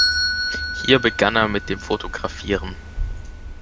Hier begann er mit dem Fotografieren.